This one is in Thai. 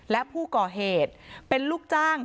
และผู้ก่อเหตุเป็นลูกจ้าง